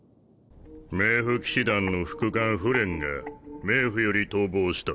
冥府騎士団の副官フレンが冥府より逃亡した。